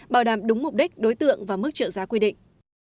bảo đảm đúng mục đích đối tượng và mức trợ giá quy định